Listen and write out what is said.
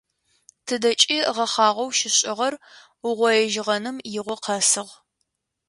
Тыдэкӏи гъэхъагъэу щишӏыгъэр угъоижьыгъэным игъо къэсыгъ.